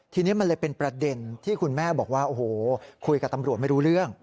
ทีนี้มันเลยเป็นประเด็นที่คุณแม่บอกว่าโอ้โหคุยกับตำรวจไม่รู้เรื่อง